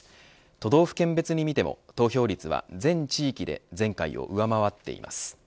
都道府県別に見ても投票率は全地域で前回を上回っています。